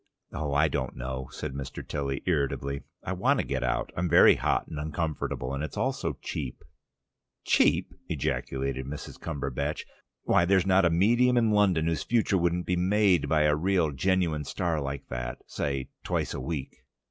"Oh, I don't know," said Mr. Tilly irritably. "I want to get out. I'm very hot and uncomfortable. And it's all so cheap." "Cheap?" ejaculated Mrs. Cumberbatch. "Why, there's not a medium in London whose future wouldn't be made by a real genuine star like that, say, twice a week."